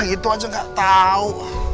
itu aja gak tau